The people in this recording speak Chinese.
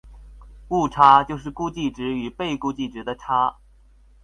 误差就是估计值与被估计量的差。